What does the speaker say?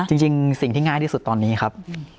จริงสิ่งที่ง่ายที่สุดตอนนี้ครับ